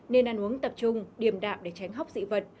nên ăn uống tập trung điểm đạm để tránh hóc dị vật